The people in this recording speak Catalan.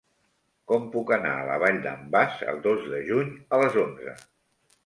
Com puc anar a la Vall d'en Bas el dos de juny a les onze?